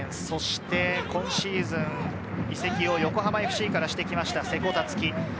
そして今シーズン、移籍を横浜ＦＣからしてきました、瀬古樹。